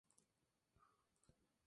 El uso de idiomas indígenas es limitado.